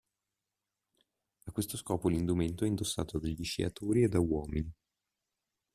A questo scopo l'indumento è indossato dagli sciatori e da uomini.